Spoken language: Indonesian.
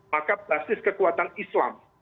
maka basis kekuatan islam